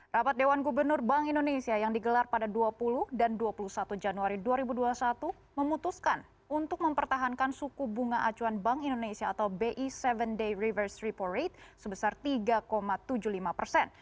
rapat dewan gubernur bank indonesia yang digelar pada dua puluh dan dua puluh satu januari dua ribu dua puluh satu memutuskan untuk mempertahankan suku bunga acuan bank indonesia atau bi tujuh day reverse repo rate sebesar tiga tujuh puluh lima persen